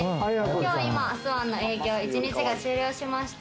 今日今スワンの営業１日が終了しました。